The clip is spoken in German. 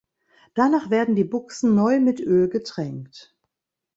Danach werden die Buchsen neu mit Öl getränkt.